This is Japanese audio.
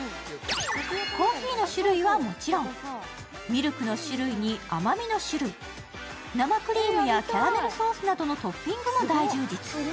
コーヒーの種類はもちろん、ミルクの種類に甘みの種類、生クリームやキャラメルソースなどのトッピングも大充実。